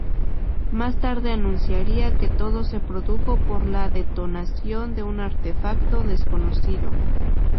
Más tarde anunciaría que todo se produjo por la detonación de un artefacto desconocido.